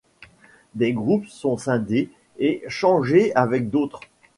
Des groupes sont scindés et changés avec d'autres.